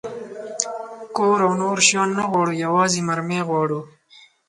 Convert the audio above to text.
کور او نور شیان نه غواړو، یوازې مرمۍ غواړو.